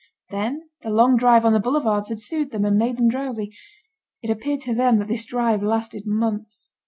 Then, the long drive on the boulevards had soothed them and made them drowsy. It appeared to them that this drive lasted months.